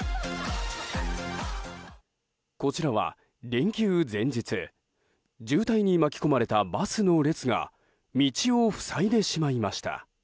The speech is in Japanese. こちらは、連休前日渋滞に巻き込まれたバスの列が道を塞いでしまいました。